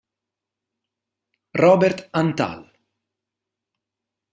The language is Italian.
Róbert Antal